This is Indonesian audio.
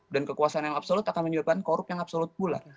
dan kekuasaan yang absolut akan menyebabkan korup yang absolut pula